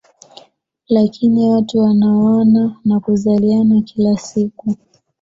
Lakini watu wanaoana na kuzaliana kila siku